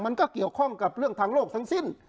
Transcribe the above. มันก็เกี่ยวข้องกับเรื่องทางโลกทั้งสิ้น